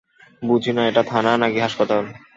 বুঝি না এটা থানা না-কি হাসপাতাল।